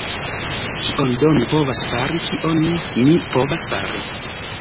Kion do mi povas fari, kion mi povas fari?